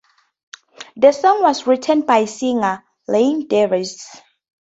The song was written by singer Lynn Davis.